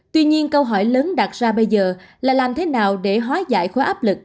tuy nhiên câu hỏi lớn đặt ra bây giờ là làm thế nào để hóa giải khóa áp lực